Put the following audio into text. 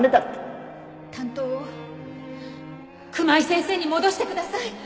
担当を熊井先生に戻してください。